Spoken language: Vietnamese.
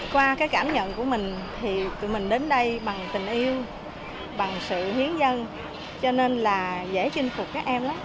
qua cái cảm nhận của mình thì tụi mình đến đây bằng tình yêu bằng sự hiến dân cho nên là dễ chinh phục các em lắm